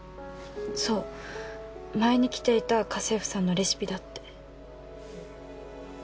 そう前に来ていた家政婦さんのレシピだって。